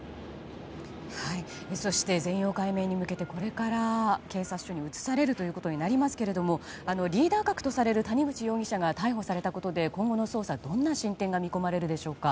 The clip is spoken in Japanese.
そして、全容解明に向けてこれから警察署に移されるということになりますがリーダー格とされる谷口容疑者が逮捕されたことで今後の捜査、どんな進展が見込まれるでしょうか？